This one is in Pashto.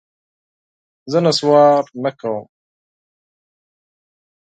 زه نسوار کوم.